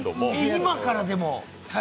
今からでも。